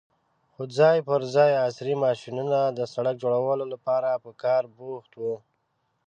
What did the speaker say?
خو ځای پر ځای عصرې ماشينونه د سړک جوړولو لپاره په کار بوخت وو.